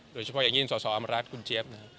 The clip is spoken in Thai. โดยเฉพาะอย่างยิ่งส่ออำรัฐคุณเจี๊ยพ